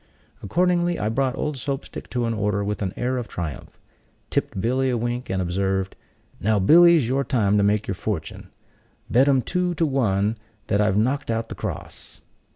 Accordingly, I brought old Soap stick to an order with an air of triumph; tipped Billy a wink, and observed, "Now, Billy, 's your time to make your fortune. Bet 'em two to one that I've knocked out the cross."